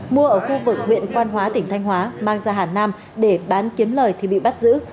mua ở khu vực huyện quan hóa tỉnh thanh hóa mang ra hà nam để bán kiếm lời thì bị bắt giữ